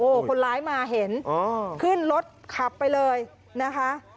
คนร้ายมาเห็นขึ้นรถขับไปเลยนะคะ